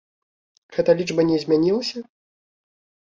Гэта лічба не змянілася?